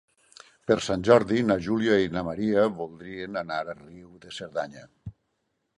Per Sant Jordi na Júlia i na Maria voldrien anar a Riu de Cerdanya.